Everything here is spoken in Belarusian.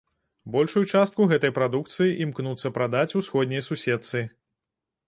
Большую частку гэтай прадукцыі імкнуцца прадаць усходняй суседцы.